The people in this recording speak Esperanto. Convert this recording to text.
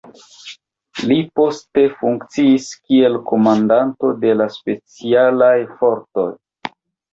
Li poste funkciis kiel komandanto de la specialaj fortoj.